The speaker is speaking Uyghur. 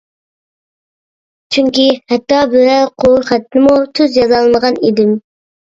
چۈنكى ھەتتا بىرەر قۇر خەتنىمۇ تۈز يازالمىغان ئىدىم.